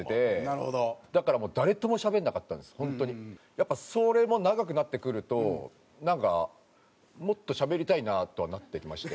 やっぱそれも長くなってくるとなんかもっとしゃべりたいなとはなってきまして。